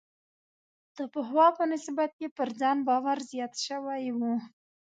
د پخوا په نسبت یې پر ځان باور زیات شوی و.